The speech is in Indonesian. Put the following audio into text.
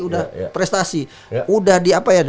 udah prestasi udah di apa ya